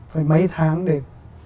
phải mấy tháng để